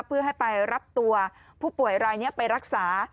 เพื่อให้ไปรับตัวผู้ป่วยรายนี้ไปรักษา